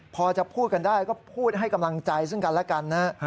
พอจะพูดกันได้ก็พูดให้กำลังใจซึ่งกันแล้วกันนะฮะ